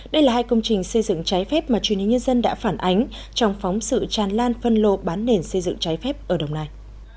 đây là hai công trình xây dựng trái phép mà truyền hình nhân dân đã phản ánh trong phóng sự tràn lan phân lô bán nền xây dựng trái phép ở đồng nai